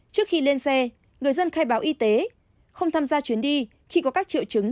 trước khi lên xe người dân khai báo y tế không tham gia chuyến đi khi có các triệu chứng